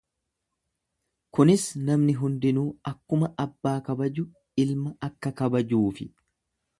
Kunis namni hundinuu akkuma abbaa kabaju ilma akka kabajuufi.